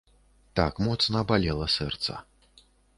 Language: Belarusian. Так моцна балела сэрца.